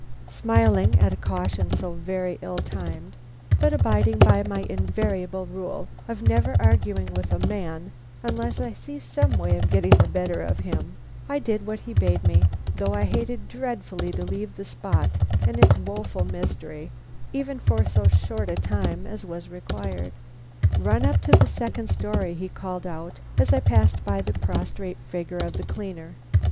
Smiling at a caution so very ill timed, but abiding by my invariable rule of never arguing with a man unless I see some way of getting the better of him, I did what he bade me, though I hated dreadfully to leave the spot and its woful mystery, even for so short a time as was required. "Run up to the second story," he called out, as I passed by the prostrate figure of the cleaner.